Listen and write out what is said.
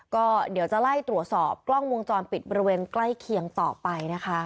ก็เดี๋ยวจะไล่ตรวจสอบกล้องวงจรปิดบริเวณใกล้เคียงต่อไปนะคะ